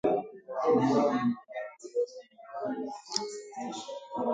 “Ooh vizuri! Hizo za ndani zilete hapa